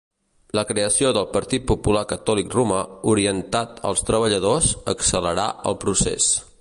La creació del Partit Popular Catòlic Romà, orientat als treballadors, accelerà el procés.